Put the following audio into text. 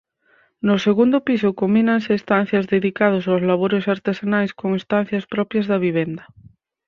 No segundo piso combínanse estancias dedicadas aos labores artesanais con estancias propias da vivenda.